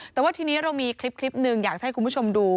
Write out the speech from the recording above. แต่ว่าทีนี้เรามีคลิปหนึ่งอยากให้คุณผู้ชมดู